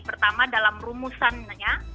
pertama dalam rumusannya